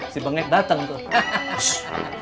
si bengek dateng tuh